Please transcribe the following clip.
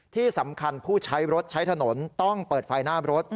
ที่สำคัญผู้ใช้รถใช้ถนนต้องเปิดไฟหน้ารถ